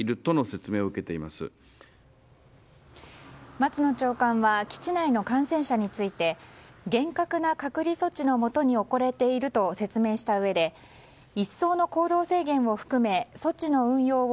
松野長官は基地内の感染者について厳格な隔離措置のもとに置かれていると説明したうえで一層の行動制限を含め措置の運用を